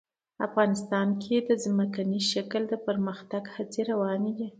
افغانستان کې د ځمکنی شکل د پرمختګ هڅې روانې دي.